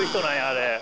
あれ。